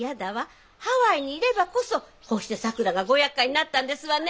ハワイにいればこそこうしてさくらがごやっかいになったんですわね！